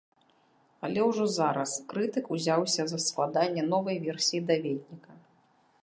Але ўжо зараз крытык ўзяўся за складанне новай версіі даведніка.